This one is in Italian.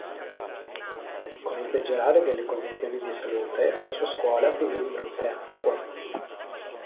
Con il peggiorare delle condizioni di salute la sua scuola finì in brutte acque.